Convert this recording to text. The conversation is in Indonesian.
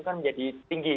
kan menjadi tinggi